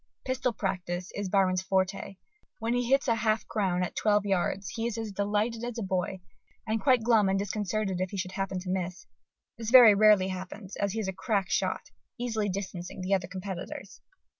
Pistol practice is Byron's forte; when he hits a half crown at twelve yards he is as delighted as a boy, and quite glum and disconcerted if he should happen to miss. This very rarely happens, as he is a crack shot, easily distancing the other competitors.